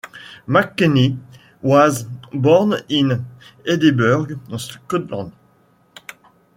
McKechnie was born in Edinburgh, Scotland.